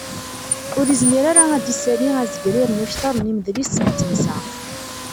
Ur yezmir ara ad d-isali azegrir n ukter n imedlis n tensa.